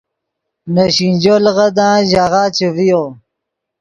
نے سینجو لیغدان ژاغہ چے ڤیو